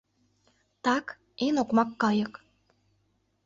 Так — эн окмак кайык.